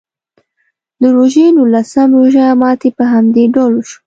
د روژې نولسم روژه ماتي په همدې ډول وشو.